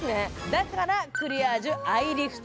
だからクリアージュアイリフト。